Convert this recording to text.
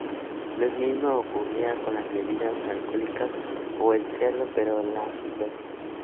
Lo mismo ocurría con las bebidas alcohólicas o el cerdo pero a la inversa.